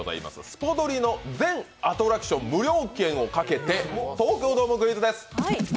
スポドリ！の全アトラクション無料券をかけて、東京ドームクイズです！